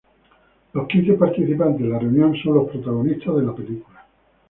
Los quince participantes en la reunión son los protagonistas de la película.